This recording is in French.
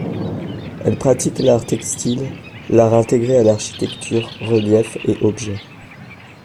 Elle pratique l'art textile, l'art intégré à l'architecture, reliefs et objets.